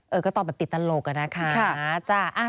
เออก็ตอบติดตลกอะนะคะ